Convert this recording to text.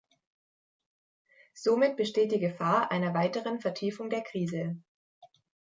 Somit besteht die Gefahr einer weiteren Vertiefung der Krise.